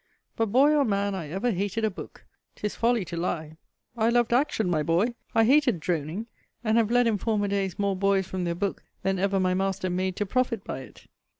But boy or man I ever hated a book. 'Tis folly to lie. I loved action, my boy. I hated droning; and have led in former days more boys from their book, than ever my master made to profit by it.